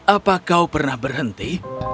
apa kau pernah berhenti